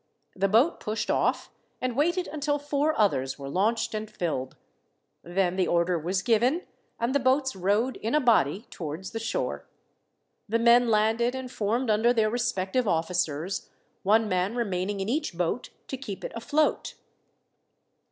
The boat pushed off and waited until four others were launched and filled. Then the order was given, and the boats rowed in a body towards the shore. The men landed and formed under their respective officers, one man remaining in each boat to keep it afloat.